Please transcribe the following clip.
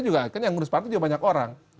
juga akhirnya mengurus partai juga banyak orang